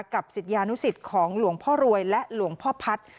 ศิษยานุสิตของหลวงพ่อรวยและหลวงพ่อพัฒน์